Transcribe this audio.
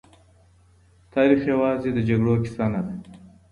تاريخ يوازې د جګړو کيسه نه ده.